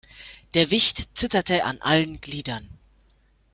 Der Wicht zitterte an allen Gliedern.